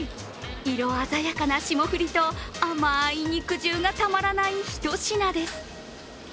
色鮮やかな霜降りと甘い肉汁がたまらない一品です。